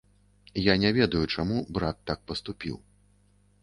Я не ведаю, чаму брат так паступіў.